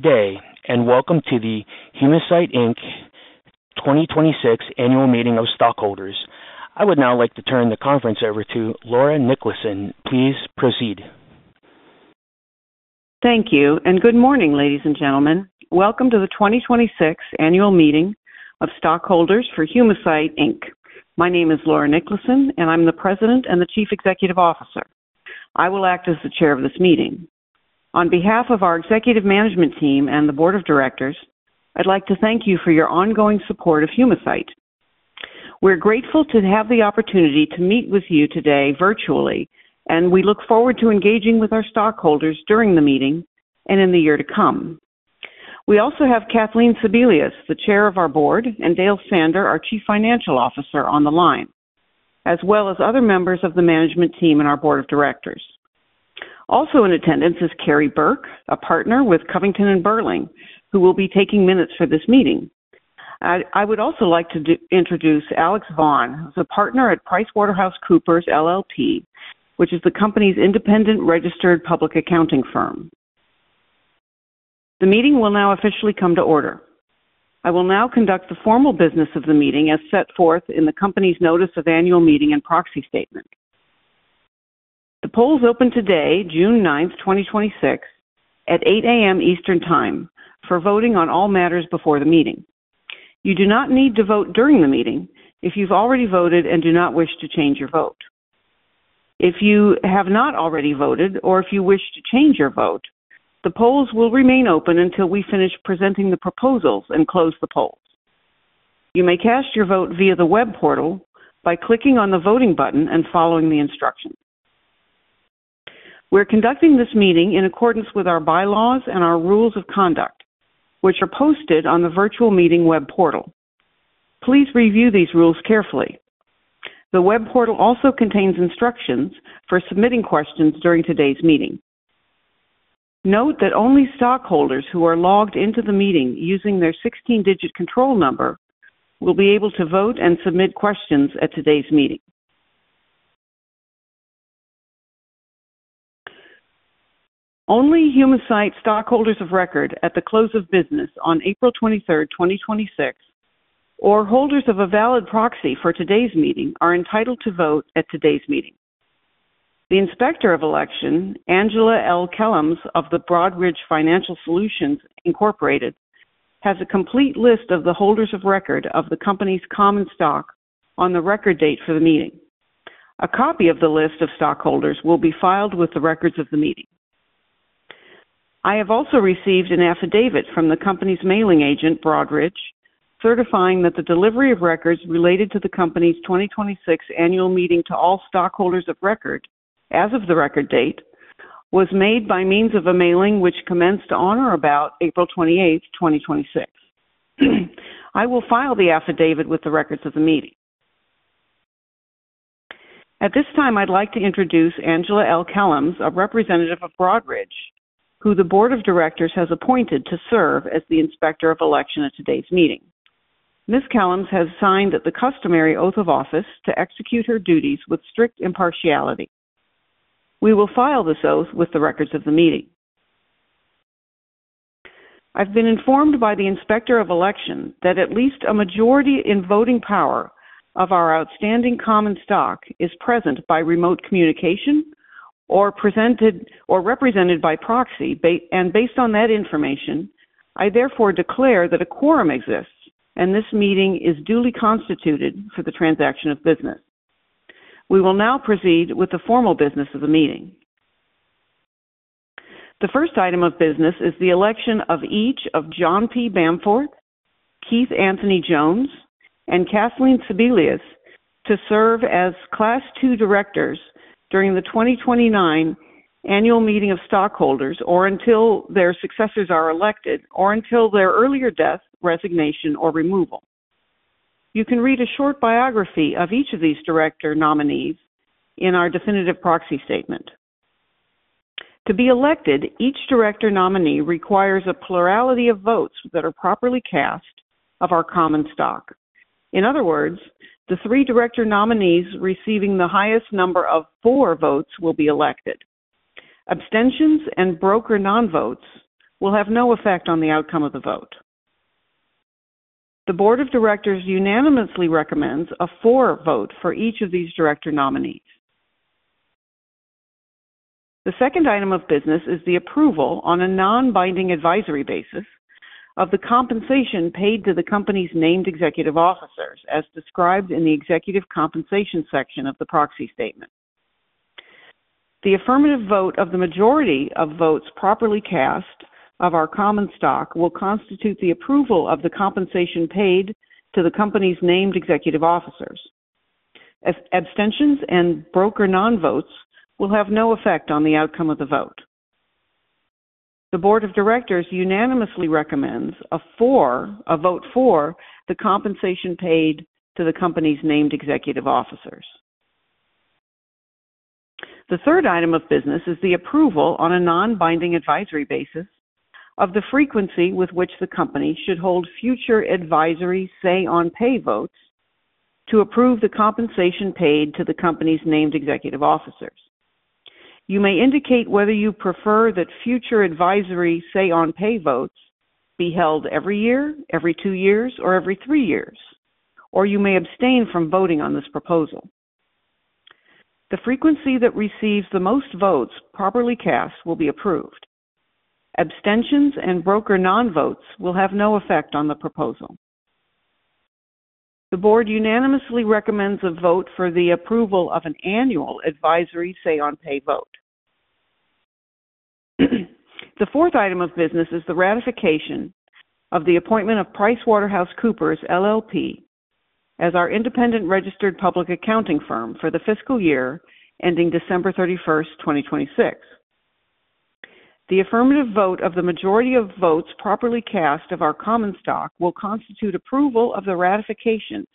Day, welcome to the Humacyte, Inc. 2026 Annual Meeting of Stockholders. I would now like to turn the conference over to Laura Niklason. Please proceed. Thank you, good morning, ladies and gentlemen. Welcome to the 2026 Annual Meeting of Stockholders for Humacyte, Inc. My name is Laura Niklason, and I'm the President and the Chief Executive Officer. I will act as the Chair of this meeting. On behalf of our executive management team and the Board of Directors, I'd like to thank you for your ongoing support of Humacyte. We're grateful to have the opportunity to meet with you today virtually, and we look forward to engaging with our stockholders during the meeting and in the year to come. We also have Kathleen Sebelius, the Chair of our Board, and Dale Sander, our Chief Financial Officer, on the line, as well as other members of the management team and our Board of Directors. Also in attendance is Kerry Burke, a Partner with Covington & Burling, who will be taking minutes for this meeting. I would also like to introduce Alex Vaughn, who's a partner at PricewaterhouseCoopers LLP, which is the company's independent registered public accounting firm. The meeting will now officially come to order. I will now conduct the formal business of the meeting as set forth in the company's notice of annual meeting and proxy statement. The polls opened today, June 9th, 2026, at 8:00 A.M. Eastern Time for voting on all matters before the meeting. You do not need to vote during the meeting if you've already voted and do not wish to change your vote. If you have not already voted or if you wish to change your vote, the polls will remain open until we finish presenting the proposals and close the polls. You may cast your vote via the web portal by clicking on the voting button and following the instructions. We're conducting this meeting in accordance with our bylaws and our rules of conduct, which are posted on the virtual meeting web portal. Please review these rules carefully. The web portal also contains instructions for submitting questions during today's meeting. Note that only stockholders who are logged into the meeting using their 16-digit control number will be able to vote and submit questions at today's meeting. Only Humacyte stockholders of record at the close of business on April 23rd, 2026, or holders of a valid proxy for today's meeting are entitled to vote at today's meeting. The Inspector of Election, Angela L. Kellums of Broadridge Financial Solutions Incorporated, has a complete list of the holders of record of the company's common stock on the record date for the meeting. A copy of the list of stockholders will be filed with the records of the meeting. I have also received an affidavit from the company's mailing agent, Broadridge, certifying that the delivery of records related to the company's 2026 annual meeting to all stockholders of record as of the record date was made by means of a mailing which commenced on or about April 28th, 2026. I will file the affidavit with the records of the meeting. At this time, I'd like to introduce Angela L. Kellums, a representative of Broadridge, who the board of directors has appointed to serve as the Inspector of Election at today's meeting. Ms. Kellums has signed the customary oath of office to execute her duties with strict impartiality. We will file this oath with the records of the meeting. I've been informed by the Inspector of Election that at least a majority in voting power of our outstanding common stock is present by remote communication or represented by proxy. Based on that information, I therefore declare that a quorum exists, and this meeting is duly constituted for the transaction of business. We will now proceed with the formal business of the meeting. The first item of business is the election of each of John P. Bamforth, Keith Anthony Jones, and Kathleen Sebelius to serve as Class II directors during the 2029 annual meeting of stockholders or until their successors are elected, or until their earlier death, resignation, or removal. You can read a short biography of each of these director nominees in our definitive proxy statement. To be elected, each director nominee requires a plurality of votes that are properly cast of our common stock. In other words, the three director nominees receiving the highest number of "for" votes will be elected. Abstentions and broker non-votes will have no effect on the outcome of the vote. The board of directors unanimously recommends a "for" vote for each of these director nominees. The second item of business is the approval on a non-binding advisory basis of the compensation paid to the company's named executive officers, as described in the executive compensation section of the proxy statement. The affirmative vote of the majority of votes properly cast of our common stock will constitute the approval of the compensation paid to the company's named executive officers. Abstentions and broker non-votes will have no effect on the outcome of the vote. The board of directors unanimously recommends a vote for the compensation paid to the company's named executive officers. The third item of business is the approval on a non-binding advisory basis of the frequency with which the company should hold future advisory Say-on-Pay votes to approve the compensation paid to the company's named executive officers. You may indicate whether you prefer that future advisory Say-on-Pay votes be held every year, every two years, or every three years, or you may abstain from voting on this proposal. The frequency that receives the most votes properly cast will be approved. Abstentions and broker non-votes will have no effect on the proposal. The board unanimously recommends a vote for the approval of an annual advisory Say-on-Pay vote. The fourth item of business is the ratification of the appointment of PricewaterhouseCoopers LLP as our independent registered public accounting firm for the fiscal year ending December 31st, 2026. The affirmative vote of the majority of votes properly cast of our common stock will constitute approval of the ratification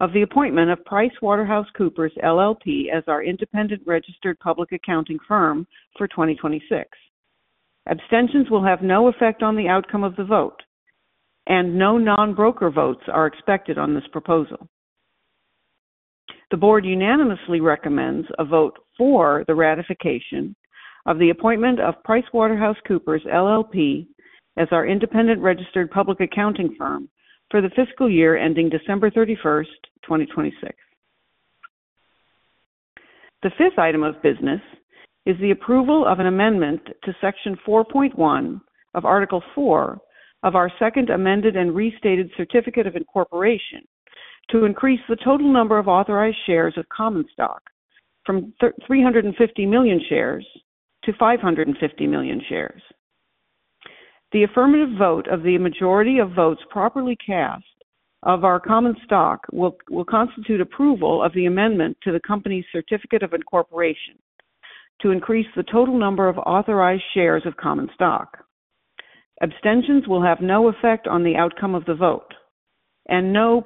of the appointment of PricewaterhouseCoopers LLP as our independent registered public accounting firm for 2026. Abstentions will have no effect on the outcome of the vote, and no broker non-votes are expected on this proposal. The board unanimously recommends a vote for the ratification of the appointment of PricewaterhouseCoopers LLP as our independent registered public accounting firm for the fiscal year ending December 31st, 2026. The fifth item of business is the approval of an amendment to Section 4.1 of Article 4 of our second amended and restated certificate of incorporation to increase the total number of authorized shares of common stock from 350 million shares to 550 million shares. The affirmative vote of the majority of votes properly cast of our common stock will constitute approval of the amendment to the company's certificate of incorporation to increase the total number of authorized shares of common stock. Abstentions will have no effect on the outcome of the vote, and no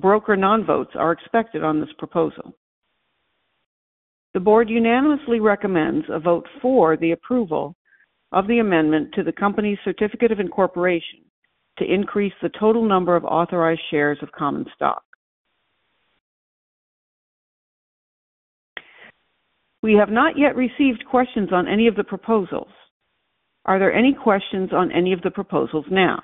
broker non-votes are expected on this proposal. The board unanimously recommends a vote for the approval of the amendment to the company's certificate of incorporation to increase the total number of authorized shares of common stock. We have not yet received questions on any of the proposals. Are there any questions on any of the proposals now?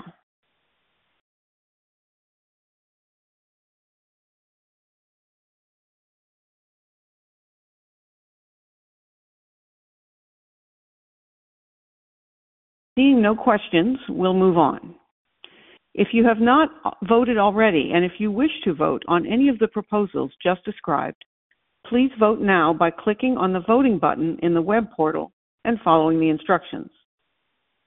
Seeing no questions, we'll move on. If you have not voted already, and if you wish to vote on any of the proposals just described, please vote now by clicking on the voting button in the web portal and following the instructions.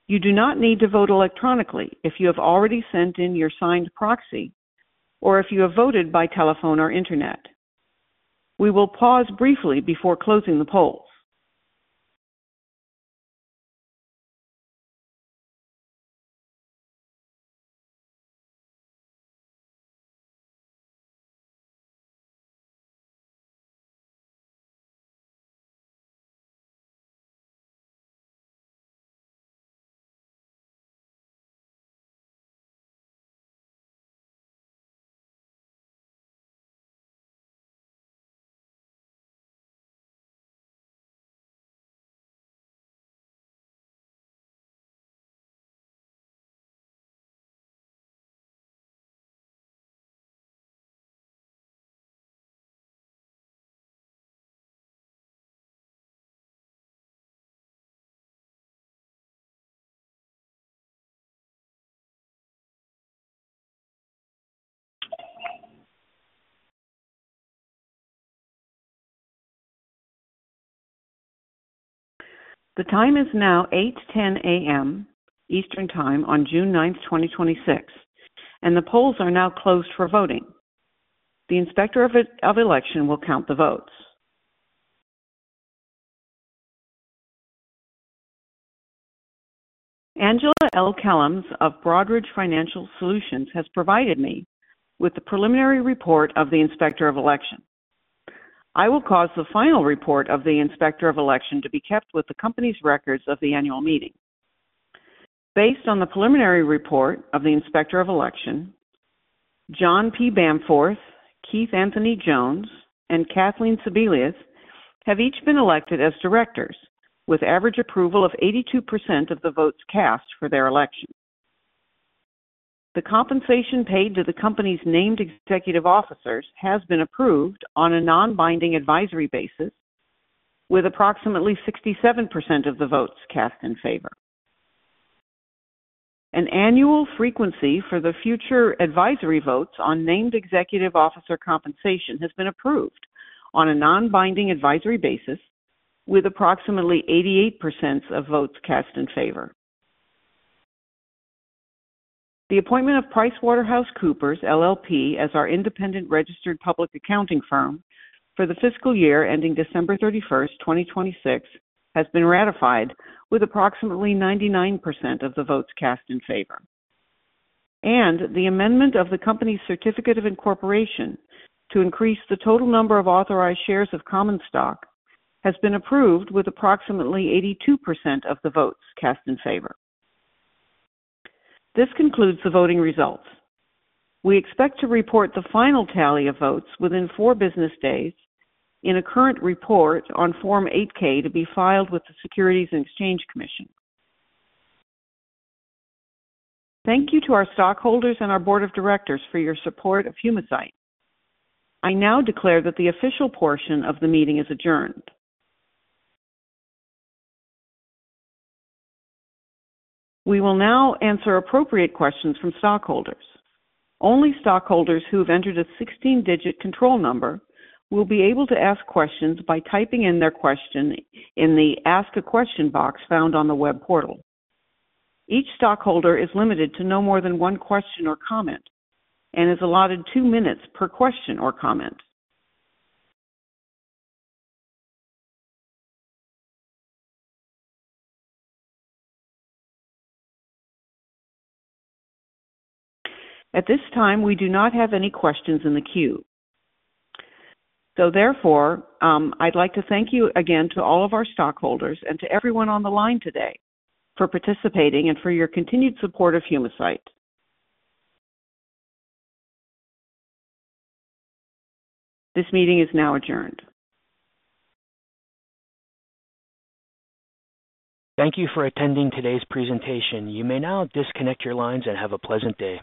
You do not need to vote electronically if you have already sent in your signed proxy or if you have voted by telephone or internet. We will pause briefly before closing the polls. The time is now 8:10 A.M. Eastern Time on June 9th, 2026, and the polls are now closed for voting. The Inspector of Election will count the votes. Angela L. Kellums of Broadridge Financial Solutions has provided me with the preliminary report of the Inspector of Election. I will cause the final report of the Inspector of Election to be kept with the company's records of the annual meeting. Based on the preliminary report of the Inspector of Election, John P. Bamforth, Keith Anthony Jones, and Kathleen Sebelius have each been elected as directors with average approval of 82% of the votes cast for their election. The compensation paid to the company's named executive officers has been approved on a non-binding advisory basis with approximately 67% of the votes cast in favor. An annual frequency for the future advisory votes on named executive officer compensation has been approved on a non-binding advisory basis with approximately 88% of votes cast in favor. The appointment of PricewaterhouseCoopers LLP as our independent registered public accounting firm for the fiscal year ending December 31st, 2026, has been ratified with approximately 99% of the votes cast in favor. The amendment of the company's certificate of incorporation to increase the total number of authorized shares of common stock has been approved with approximately 82% of the votes cast in favor. This concludes the voting results. We expect to report the final tally of votes within four business days in a current report on Form 8-K to be filed with the Securities and Exchange Commission. Thank you to our stockholders and our board of directors for your support of Humacyte. I now declare that the official portion of the meeting is adjourned. We will now answer appropriate questions from stockholders. Only stockholders who have entered a 16-digit control number will be able to ask questions by typing in their question in the Ask a Question box found on the web portal. Each stockholder is limited to no more than one question or comment and is allotted two minutes per question or comment. At this time, we do not have any questions in the queue. Therefore, I'd like to thank you again to all of our stockholders and to everyone on the line today for participating and for your continued support of Humacyte. This meeting is now adjourned. Thank you for attending today's presentation. You may now disconnect your lines and have a pleasant day.